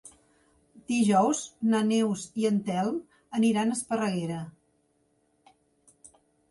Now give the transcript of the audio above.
Dijous na Neus i en Telm aniran a Esparreguera.